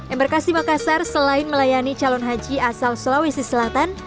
embarkasi makassar selain melayani calon haji asal sulawesi selatan